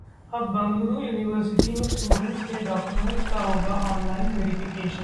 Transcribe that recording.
अब बंगलुरू यूनिवर्सिटी में स्टूडेंट्स के डॉक्यूमेंट्स का होगा ऑनलाइन वेरिफिकेशन